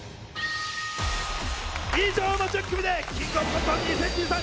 以上の１０組でキングオブコント２０２３